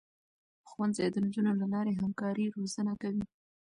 ښوونځی د نجونو له لارې همکاري روزنه کوي.